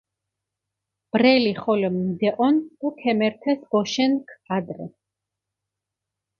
ბრელი ხოლო მიდეჸონ დო ქემერთეს ბოშენქ ადრე.